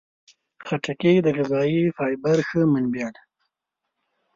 خټکی د غذايي فایبر ښه منبع ده.